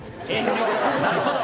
⁉なるほど。